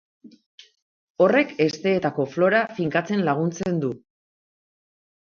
Horrek hesteetako flora finkatzen laguntzen du.